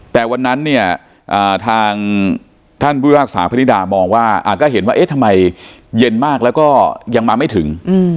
แต่วันนั้นเนี่ยทางท่านผู้พิพากษาพนิดามองว่าก็เห็นว่าเอ๊ะทำไมเย็นมากแล้วก็ยังมาไม่ถึง